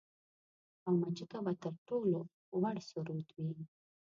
او مچکه به تر ټولو وُړ سرود وي